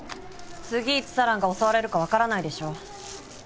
次いつ四朗が襲われるかわからないでしょ。